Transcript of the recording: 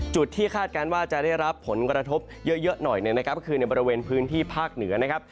ที่คาดการณ์ว่าจะได้รับผลกระทบเยอะหน่อยเนี่ยนะครับก็คือในบริเวณพื้นที่ภาคเหนือนะครับ